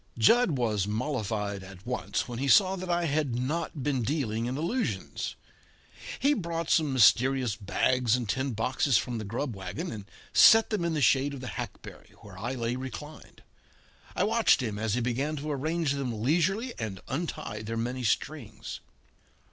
Jud was mollified at once when he saw that I had not been dealing in allusions. He brought some mysterious bags and tin boxes from the grub wagon and set them in the shade of the hackberry where I lay reclined. I watched him as he began to arrange them leisurely and untie their many strings.